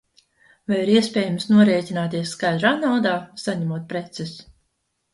Vai ir iespējams norēķināties skaidrā naudā, saņemot preces?